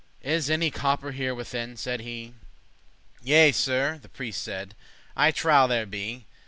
Is any copper here within?" said he. "Yea, Sir," the prieste said, "I trow there be."